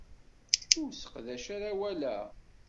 Ur sseqdac ara awal-a!